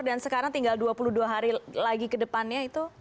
dan sekarang tinggal dua puluh dua hari lagi kedepannya itu